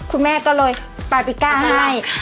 คุณแม่ก็เลยปาติก้าให้